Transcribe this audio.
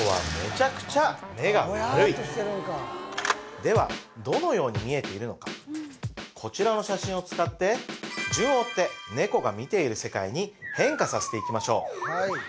そう猫はではどのように見えているのかこちらの写真を使って順を追って猫が見ている世界に変化させていきましょう